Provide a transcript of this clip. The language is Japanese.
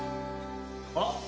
あっ。